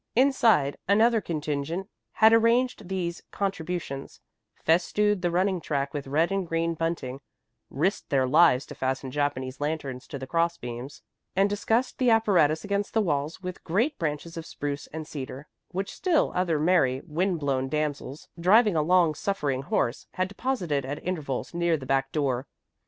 Inside another contingent had arranged these contributions, festooned the running track with red and green bunting, risked their lives to fasten Japanese lanterns to the cross beams, and disguised the apparatus against the walls with great branches of spruce and cedar, which still other merry, wind blown damsels, driving a long suffering horse, had deposited at intervals near the back door.